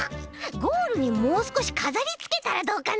ゴールにもうすこしかざりつけたらどうかな？